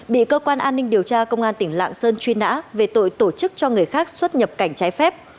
bị cơ quan an ninh điều tra công an tỉnh lạng sơn truy nã về tội tổ chức cho người khác xuất nhập cảnh trái phép